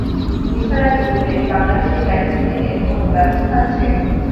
নিসার আলি বললেন, বাংলাদেশে ক্যাট স্কেনের কোনো ব্যবস্থা আছে?